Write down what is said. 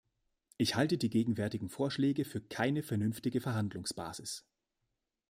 Ich halte die gegenwärtigen Vorschläge für keine vernünftige Verhandlungsbasis.